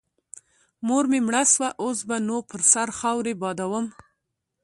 مور مې مړه سوه اوس به نو پر سر خاورې بادوم.